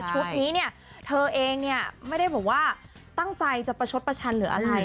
ชุดนี้เนี่ยเธอเองเนี่ยไม่ได้บอกว่าตั้งใจจะประชดประชันหรืออะไร